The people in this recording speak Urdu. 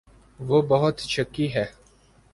وہ بہت شکی ہے